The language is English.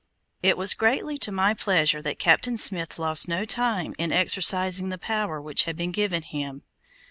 It was greatly to my pleasure that Captain Smith lost no time in exercising the power which had been given him.